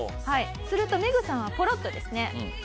するとメグさんはポロッとですね